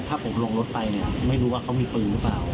ถ้าผมลงรถไปเนี่ยไม่รู้ว่าเขามีปืนหรือเปล่า